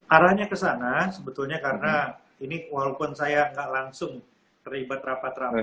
arahnya ke sana sebetulnya karena ini walaupun saya enggak langsung terlibat rapat rapat tapi tetap koordinasi ya